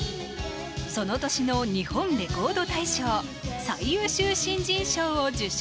その年の日本レコード大賞最優秀新人賞を受賞